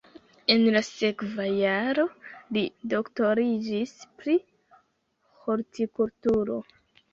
En la sekva jaro li doktoriĝis pri hortikulturo.